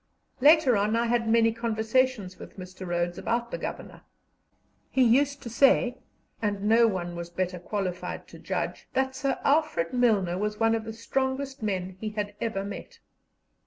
Later on I had many conversations with Mr. Rhodes about the Governor. He used to say and no one was better qualified to judge that Sir Alfred Milner was one of the strongest men he had ever met.